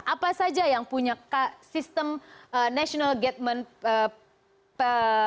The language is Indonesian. apa saja yang punya sistem national getment